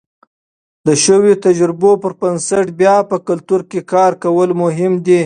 د شویو تجربو پر بنسټ بیا په کلتور کې کار کول مهم دي.